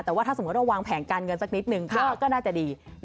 แต่ว่าถ้าสมมุติว่าวางแผนการเงินสักนิดนึงก็น่าจะดี